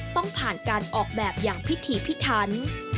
ต้องผ่านการออกแบบอย่างพิธีพิทัน